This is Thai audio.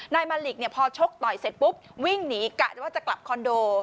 มาลิกเนี่ยพอชกต่อยเสร็จปุ๊บวิ่งหนีกะว่าจะกลับคอนโด